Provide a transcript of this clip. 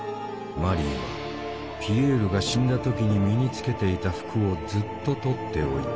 マリーはピエールが死んだ時に身につけていた服をずっと取っておいた。